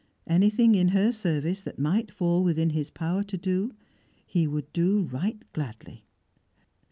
Anything in her service that might fall within his power to do, he would do right gladly.